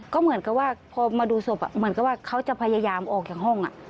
ก็เหมือนกับว่าพอมาดูศพเหมือนกับว่าเขาจะพยายามออกจากห้อง